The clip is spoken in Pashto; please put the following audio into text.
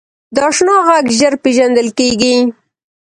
د اشنا غږ ژر پیژندل کېږي